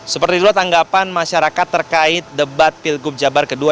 seperti itulah tanggapan masyarakat terkait debat pilgub jabar kedua